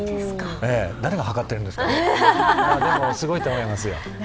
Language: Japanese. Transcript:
誰が測っているんですかね、すごいと思いますよ。